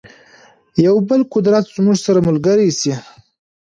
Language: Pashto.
یو بل قدرت زموږ سره ملګری شي.